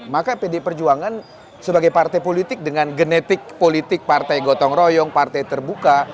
maka pdi perjuangan sebagai partai politik dengan genetik politik partai gotong royong partai terbuka